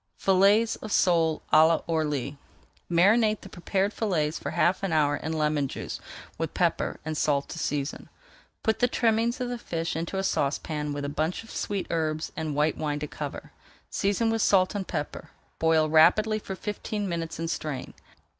FILLETS OF SOLE À L'ORLY Marinate the prepared fillets for half an hour in lemon juice with pepper and salt to season. Put the trimmings of the fish into a saucepan with a bunch of sweet herbs and white wine to cover. Season with salt and pepper, boil rapidly for fifteen minutes and strain.